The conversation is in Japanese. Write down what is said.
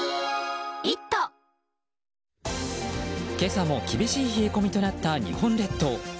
今朝も厳しい冷え込みとなった日本列島。